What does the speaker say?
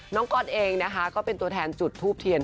ก๊อตเองนะคะก็เป็นตัวแทนจุดทูบเทียน